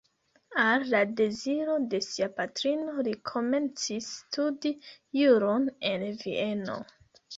Al la deziro de sia patrino li komencis studi juron en Vieno.